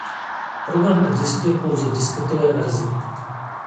Program existuje pouze v disketové verzi.